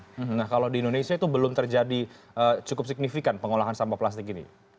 nah kalau di indonesia itu belum terjadi cukup signifikan pengolahan sampah plastik ini